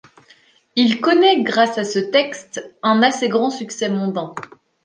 Il connaît grâce à ce texte un assez grand succès mondain.